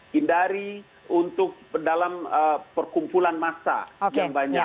hindari untuk dalam perkumpulan massa yang banyak